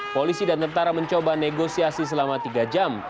polisi dan tentara mencoba negosiasi selama tiga jam